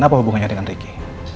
dan apa hubungannya dengan riki